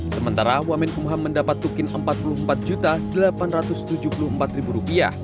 sementara wamen kumham mendapat tukin rp empat puluh empat delapan ratus tujuh puluh empat